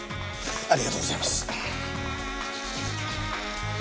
ありがとうございます。